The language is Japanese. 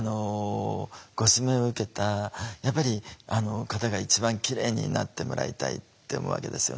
ご指名を受けた方が一番キレイになってもらいたいって思うわけですよね。